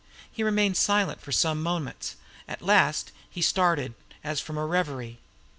He remained silent for some moments. At last he started, as from a reverie.